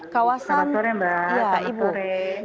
selamat sore mbak